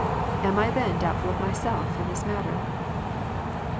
Am I then doubt ful of myself in this matter